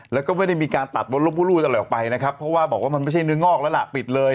แล้วก็ไม่มีการตัดมดรูป